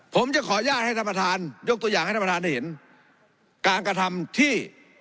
ผมจะขออนุญาตให้ท่านประธานยกตัวอย่างให้ท่านประธานได้เห็นการกระทำที่